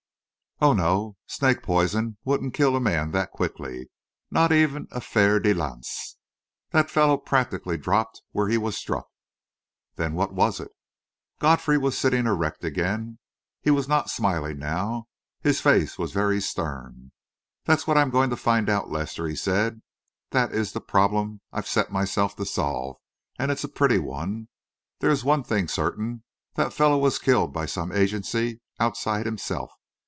"Oh, no; snake poison wouldn't kill a man that quickly not even a fer de lance. That fellow practically dropped where he was struck." "Then what was it?" Godfrey was sitting erect again. He was not smiling now. His face was very stern. "That is what I am going to find out, Lester," he said; "that is the problem I've set myself to solve and it's a pretty one. There is one thing certain that fellow was killed by some agency outside himself.